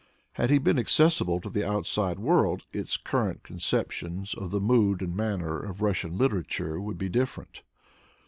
Had he been accessible to the outside world, its current concep tions of the mood and manner of Russian literature would be different.